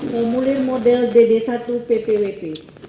pemulihan model dd satu ppwp